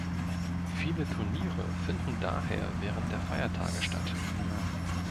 Viele Tourniere finden daher während der Feiertage statt.